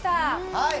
はい。